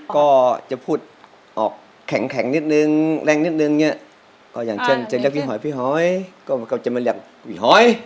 ก็จะพูดออกแข็งนิดนึงแรงนิดนึงเนี่ยก็อย่างเช่นจะเรียกพี่หอยพี่หอยก็จะมาเรียกพี่หอย